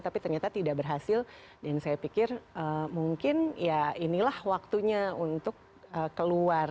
tapi ternyata tidak berhasil dan saya pikir mungkin ya inilah waktunya untuk keluar